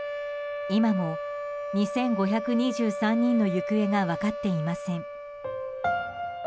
今も２５２３人の行方が分かっていません。